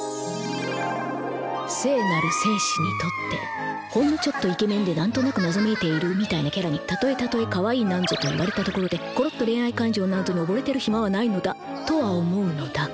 聖なる戦士にとってほんのちょっとイケメンで何となく謎めいているみたいなキャラにたとえたとえ「かわいい」なんぞと言われたところでころっと恋愛感情なんぞに溺れてる暇はないのだ！とは思うのだが。